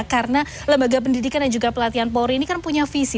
karena lembaga pendidikan dan juga pelatihan polri ini kan punya visi